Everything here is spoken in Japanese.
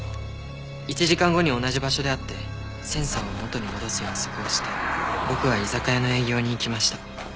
１時間後に同じ場所で会ってセンサーを元に戻す約束をして僕は居酒屋の営業に行きました。